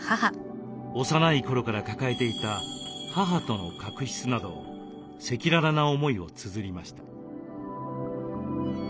幼い頃から抱えていた母との確執など赤裸々な思いをつづりました。